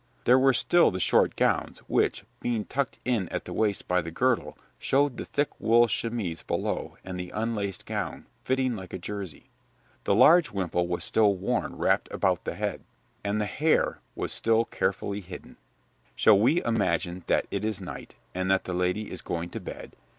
There were still the short gowns, which, being tucked in at the waist by the girdle, showed the thick wool chemise below and the unlaced gown, fitting like a jersey. The large wimple was still worn wrapped about the head, and the hair was still carefully hidden. [Illustration: {A woman of the time of William II.}] Shall we imagine that it is night, and that the lady is going to bed?